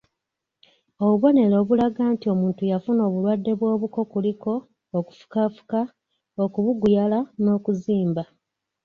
Obubonero obulaga nti omuntu yafuna obulwadde bw'obuko kuliko; okufukaafuka, okubuguyala n'okuzimba.